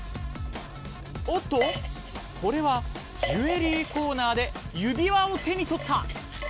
おっとこれはジュエリーコーナーで指輪を手に取った。